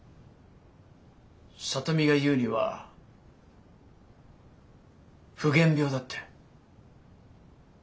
里美が言うには夫源病だって。